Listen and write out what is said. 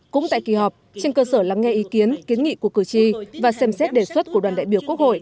cũng tại kỳ họp trên cơ sở lắng nghe ý kiến kiến nghị của cử tri và xem xét đề xuất của đoàn đại biểu quốc hội